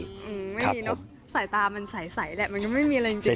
ไม่มีนะครับผมใส่ตามันใสแหละมันก็ไม่มีอะไรจริงนะครับ